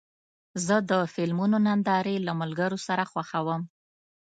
زه د فلمونو نندارې له ملګرو سره خوښوم.